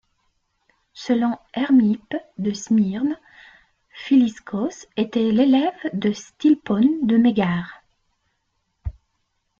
Selon Hermippe de Smyrne, Philiscos était l'élève de Stilpon de Mégare.